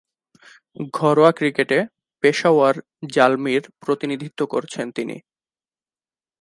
ঘরোয়া ক্রিকেটে পেশাওয়ার জালমি’র প্রতিনিধিত্ব করছেন তিনি।